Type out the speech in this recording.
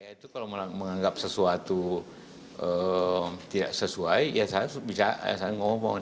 itu kalau menganggap sesuatu tidak sesuai ya saya bisa ngomong